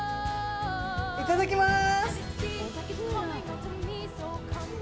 いただきます。